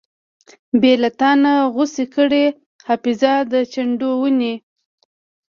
بې لتانۀ غوڅې کړې حافظه د چندڼو ونې